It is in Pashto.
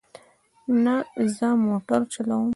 نه، زه موټر چلوم